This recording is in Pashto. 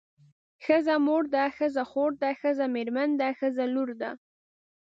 ښځه مور ده ښځه خور ده ښځه مېرمن ده ښځه لور ده.